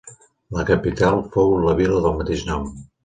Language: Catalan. La capital fou la vila del mateix nom.